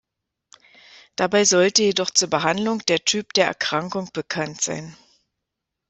Dabei sollte jedoch zur Behandlung der Typ der Erkrankung bekannt sein.